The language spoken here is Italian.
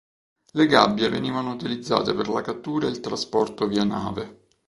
Le gabbie venivano utilizzate per la cattura e il trasporto via nave.